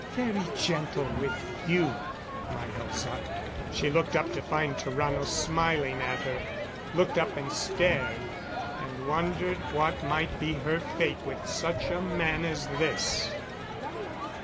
"Very gentle with you, my Elza...." She looked up to find Tarrano smiling at her; looked up and stared, and wondered what might be her fate with such a man as this.